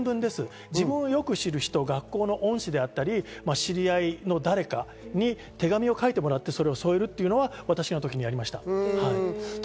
学校の恩師であったり、知り合いの誰かに手紙を書いてもらって、それを添えるというのは、私の時にありました。